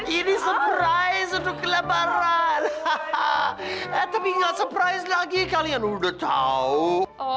ini surprise untuk kelebaran tapi nggak surprise lagi kalian udah tahu